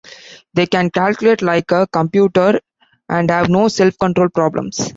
They can calculate like a computer and have no self-control problems.